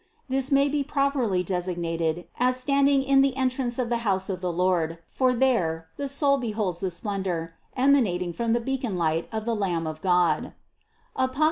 This may be properly designated as standing in the entrance of the house of the Lord ; for there the soul beholds the splendor emanating from the beaconlight of the Lamb of God (Apoc.